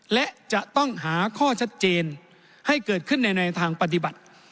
และจะต้องหาข้อชัดเจนให้เกิดขึ้นในทางปฏิบัติ